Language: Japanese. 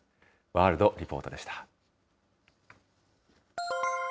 ワールドリポートでした。